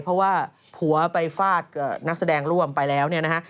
เพราะว่าผัวไปฟาดกับนักแสดงร่วมไปแล้วเนี่ยนะฮะ